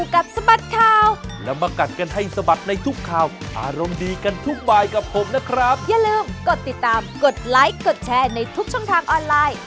กดไลค์กดแชร์ในทุกช่องทางออนไลน์